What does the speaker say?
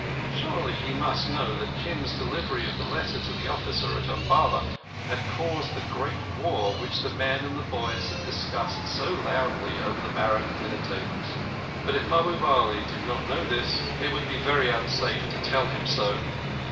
Surely he must know that Kim's delivery of the letter to the officer at Umballa had caused the great war which the men and boys had discussed so loudly over the barrack dinner tables. But if Mahbub Ali did not know this, it would be very unsafe to tell him so.